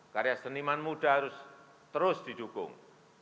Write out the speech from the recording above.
karya seniman muda harus terus didukung